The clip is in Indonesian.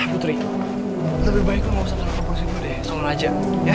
putri lebih baik kamu gak usah lupa prosesnya deh soal raja